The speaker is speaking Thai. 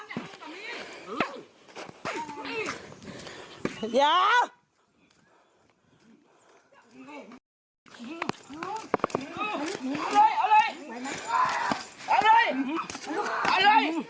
เอาเลยเอาเลย